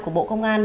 của bộ công an